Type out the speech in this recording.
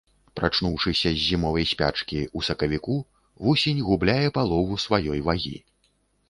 Прачнуўшыся з зімовай спячкі, у сакавіку, вусень губляе палову сваёй вагі.